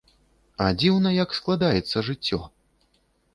А дзіўна як складаецца жыццё!